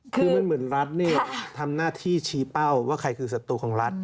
คือมันเหมือนรัฐนี่ทำหน้าที่ชี้เป้าว่าใครคือศัตรูของรัฐ